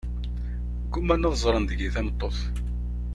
Gguman ad ẓẓren deg-i tameṭṭut.